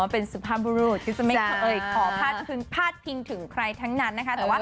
อ๋อเป็นสุภาพบรูทที่จะไม่เคยขอพาดพิงถึงใครทั้งนั้นนะคะ